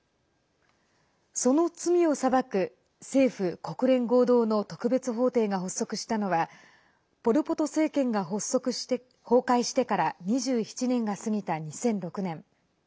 その罪を裁く政府・国連合同の特別法廷が発足したのはポル・ポト政権が崩壊してから２７年が過ぎた２００６年。